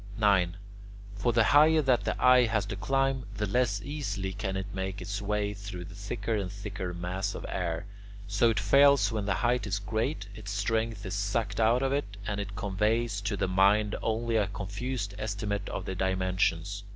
9. For the higher that the eye has to climb, the less easily can it make its way through the thicker and thicker mass of air. So it fails when the height is great, its strength is sucked out of it, and it conveys to the mind only a confused estimate of the dimensions.